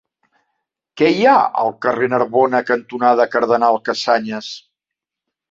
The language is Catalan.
Què hi ha al carrer Narbona cantonada Cardenal Casañas?